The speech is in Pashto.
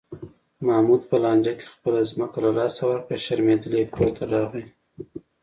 محمود په لانجه کې خپله ځمکه له لاسه ورکړه، شرمېدلی کورته راغی.